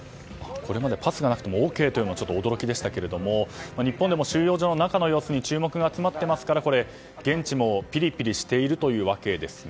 これまではパスがなくてもＯＫというのがちょっと驚きでしたけども日本でも収容所の中の様子に注目が集まっていますから現地もピリピリしているというわけですね。